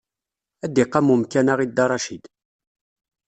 Ad d-iqam umkan-a i Dda Racid.